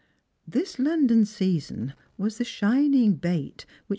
This London season was the shining bait which Mrg.